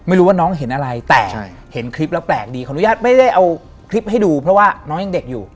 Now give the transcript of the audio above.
ไม่รู้ว่าน้องเห็นอะไรแต่เห็นคลิปแล้วแปลกดีขออนุญาตไม่ได้เอาคลิปให้ดูเพราะว่าน้องยังเด็กอยู่